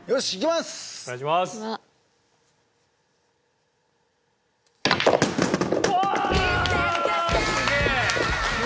すげえ！